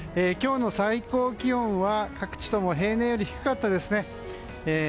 今日の最高気温は各地とも平年より低かったですね。